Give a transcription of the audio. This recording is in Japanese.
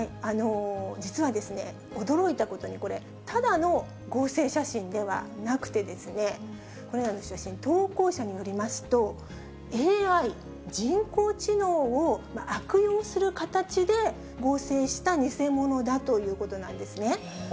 実は、驚いたことにこれ、ただの合成写真ではなくて、これらの写真、投稿者によりますと、ＡＩ・人工知能を悪用する形で、合成した偽物だということなんですね。